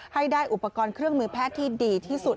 ให้ได้อุปกรณ์เครื่องมือแพทย์ที่ดีที่สุด